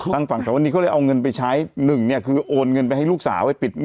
ทางฝั่งแต่วันนี้เขาเลยเอาเงินไปใช้หนึ่งเนี่ยคือโอนเงินไปให้ลูกสาวไปปิด